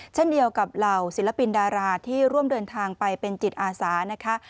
เช่นเดียวกับเหล่าศิลปินดาราที่ร่วมเดินทางไปเป็นจิตอาสานะคะ